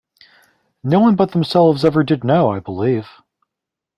No one but themselves ever did know, I believe.